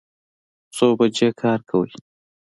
څو بجې کار کوئ؟